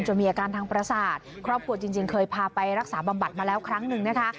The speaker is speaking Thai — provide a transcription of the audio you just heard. มีอาการทางประสาทครอบครัวจริงเคยพาไปรักษาบำบัดมาแล้วครั้งหนึ่งนะคะ